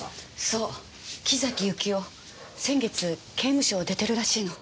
そう木崎幸生先月刑務所を出てるらしいの。